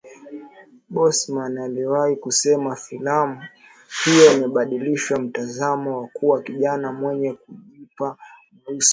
Boseman aliwahi kusema filamu hiyo imebadilisha mtazamo wa kuwa kijana mwenye kipaji na mweusi